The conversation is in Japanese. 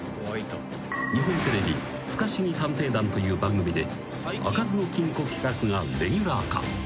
［日本テレビ『不可思議探偵団！』という番組で開かずの金庫企画がレギュラー化］